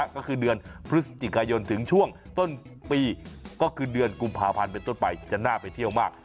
ก็คือเดือนกุมภาพันธ์เป็นต้นไปจะน่าไปเที่ยวมาก